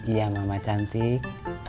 iya mama cantik